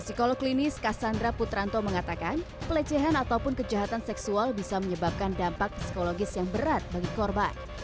psikolog klinis cassandra putranto mengatakan pelecehan ataupun kejahatan seksual bisa menyebabkan dampak psikologis yang berat bagi korban